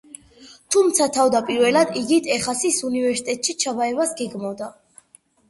თუმცა თავდაპირველად იგი ტეხასის უნივერსიტეტში ჩაბარებას გეგმავდა.